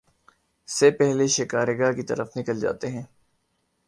سے پہلے شکار گاہ کی طرف نکل جاتے ہیں